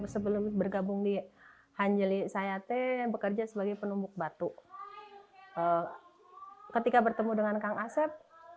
sebelum bergabung di hanjeli sayate bekerja sebagai penumbuk batu ketika bertemu dengan kang asep